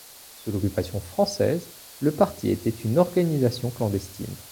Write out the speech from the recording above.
Sous l’occupation française, le parti était une organisation clandestine.